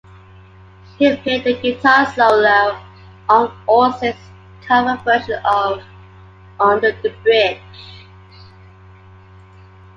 He played the guitar solo on All Saints' cover version of "Under the Bridge".